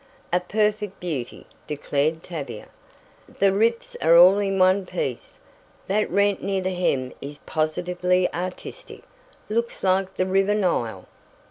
"A perfect beauty!" declared Tavia. "The rips are all in one piece. That rent near the hem is positively artistic looks like the river Nile!"